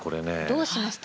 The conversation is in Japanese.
どうします？